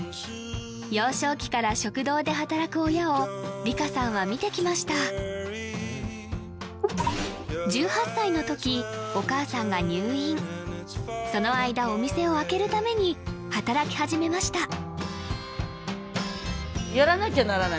幼少期から食堂で働く親を理佳さんは見てきました１８歳のときお母さんが入院その間お店を開けるために働き始めました